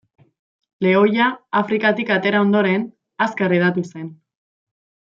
Lehoia, Afrikatik atera ondoren, azkar hedatu zen.